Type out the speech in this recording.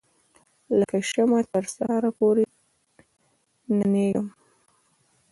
لکه شمعه تر سهار پوري ننیږم